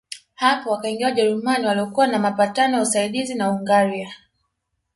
Hapo wakaingia Wajerumani waliokuwa na mapatano ya usaidizi na Hungaria